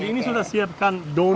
jadi ini sudah disiapkan tisu donor